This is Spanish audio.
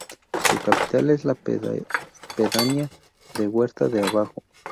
Su capital es la pedanía de Huerta de Abajo.